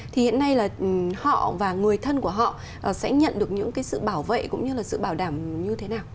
thì hiện nay họ và người thân của họ sẽ nhận được những sự bảo vệ cũng như sự bảo đảm như thế nào